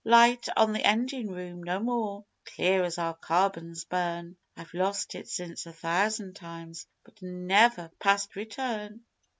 Light on the engine room no more clear as our carbons burn. I've lost it since a thousand times, but never past return.